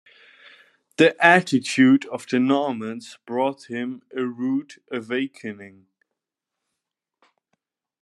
The attitude of the Normans brought him a rude awakening.